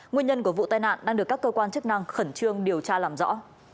nguyên nhân của vụ tai nạn đang được các cơ quan chức năng khẩn trương điều tra làm rõ